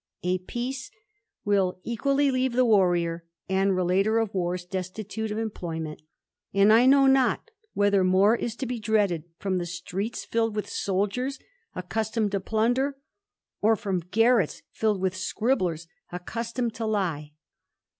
A peace equally leave the warrior and relater of wars destitute employment ; and I know not whether more is to dreaded from the streets filled with soldiers accuston to plunder, or from garrets filled with scribblers accuston to lie.